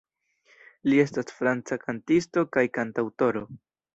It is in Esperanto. Li estas franca kantisto kaj kantaŭtoro.